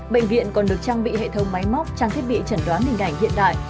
bệnh viện còn được trang bị hệ thống máy móc trang thiết bị chẩn đoán hình ảnh hiện đại